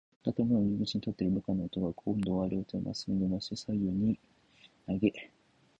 建物の入口に立っている部下の男が、こんどは両手をまっすぐにのばして、左右にあげたりさげたり、鳥の羽ばたきのようなまねを、三度くりかえしました。